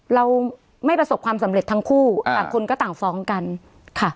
เราไม่ประสบความสำเร็จทั้งคู่ต่างคนก็ต่างฟ้องกันค่ะ